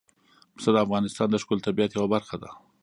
پسه د افغانستان د ښکلي طبیعت یوه برخه ده.